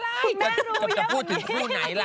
คุณแม่รู้อย่างงี้จะพูดถึงคู่ไหนล่ะ